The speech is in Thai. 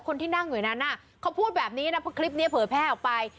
คนที่นั่งอยู่นั้นเขาพูดแบบนี้นะเพราะคลิปนี้เผยแพร่ออกไป